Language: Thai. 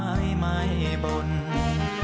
ผ่านเดือนผ่านวันเมื่อมันจะผ่านไป